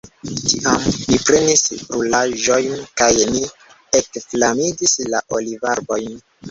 Tiam ni prenis brulaĵojn, kaj ni ekflamigis la olivarbojn.